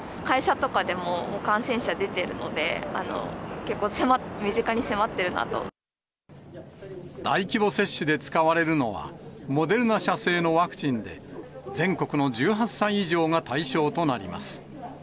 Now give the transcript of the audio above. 会社とかでも感染者出てるの大規模接種で使われるのは、モデルナ社製のワクチンで、全国の１８歳以上が対象となります。